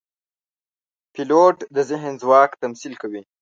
پیلوټ د ذهن ځواک تمثیل کوي.